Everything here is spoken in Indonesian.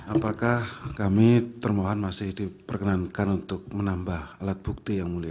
apakah kami termohon masih diperkenankan untuk menambah alat bukti yang mulia